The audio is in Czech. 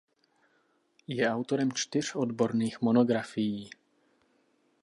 Je autorem čtyř odborných monografií.